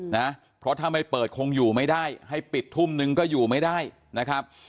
นะเพราะถ้าไม่เปิดคงอยู่ไม่ได้ให้ปิดทุ่มนึงก็อยู่ไม่ได้นะครับ